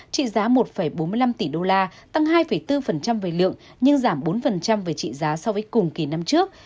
trị giá một bốn mươi năm tỷ đô la tăng hai bốn về lượng nhưng giảm bốn về trị giá so với cùng kỳ năm trước